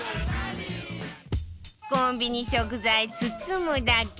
コンビニ食材包むだけ！